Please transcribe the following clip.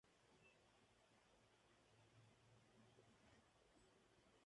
De regreso a Sevilla, estudió Magisterio.